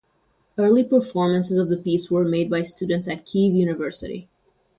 Early performances of the piece were made by students at Kyiv University.